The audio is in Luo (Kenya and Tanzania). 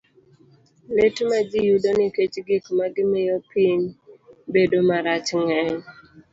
Lit ma ji yudo nikech gik ma gimiyo piny bedo marach ng'eny.